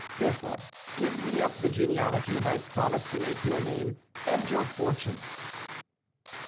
Therefore, give me up the genealogy, and I promise to make your name and your fortune."